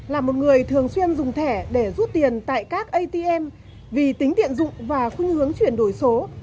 là một người thường xuyên dùng thẻ để rút tiền tại các atm vì tính tiện dụng và khuyên hướng chuyển đổi số